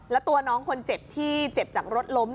แล้วตัวน้องคนเจ็บที่เจ็บจากรถล้ม